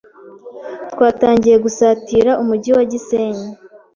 Twatangiye gusatira umugi wa Gisenyi